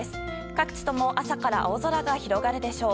各地とも朝から青空が広がるでしょう。